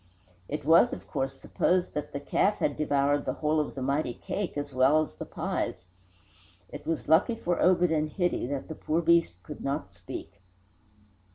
It was, of course, supposed that the calf had devoured the whole of the mighty cake as well as the pies. It was lucky for Obed and Hitty that the poor beast could not speak.